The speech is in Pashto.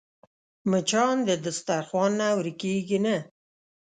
مچان د دسترخوان نه ورکېږي نه